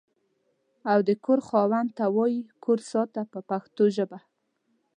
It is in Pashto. او د کور خاوند ته وایي کور ساته په پښتو ژبه.